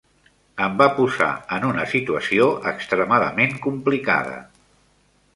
Em va posar en una situació extremadament complicada.